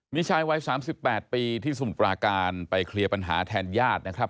มีชายวัยสามสิบแปดปีที่สุ่มปราการไปเคลียร์ปัญหาแทนญาตินะครับ